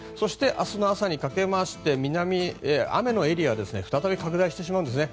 明日の朝にかけて雨のエリア再び拡大してしまうんですね。